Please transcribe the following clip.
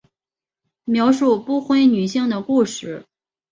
描述不婚女性的故事。